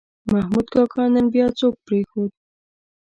محمود کاکا نن بیا څوک پرېښود.